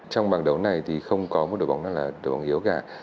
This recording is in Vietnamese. trong bảng đấu này thì không có một đội bóng nào là đội bóng yếu cả